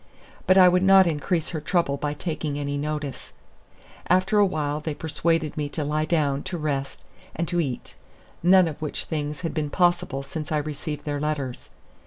But I would not increase her trouble by taking any notice. After awhile they persuaded me to lie down, to rest, and to eat, none of which things had been possible since I received their letters.